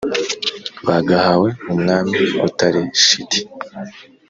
bagahawe umwami utari shiti,